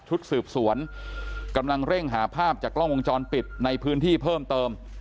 ชุดสืบสวนกำลังเร่งหาภาพจากกล้องวงจรปิดในพื้นที่เพิ่มเติม